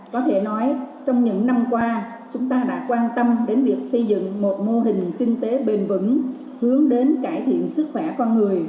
có thể nói trong những năm qua chúng ta đã quan tâm đến việc xây dựng một mô hình kinh tế bền vững hướng đến cải thiện sức khỏe con người